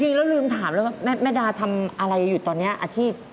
ลืมแล้วลืมถามแล้วว่าแม่ดาทำอะไรอยู่ตอนนี้อาชีพ